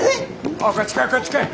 おいこっち来いこっち来い。